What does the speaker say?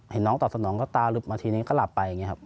เห็นน้องตอบสนองก็ตาหลึบมาทีนึงก็หลับไปอย่างนี้ครับ